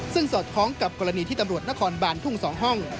ซึ่งสอดคล้องกับกรณีที่ตำรวจนครบานทุ่ง๒ห้อง